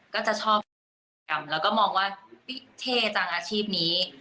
ก็จะชอบแล้วก็มองว่าเท่จังอาชีพนี้